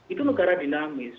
itu negara dinamis